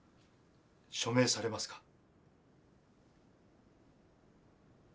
署名されますか？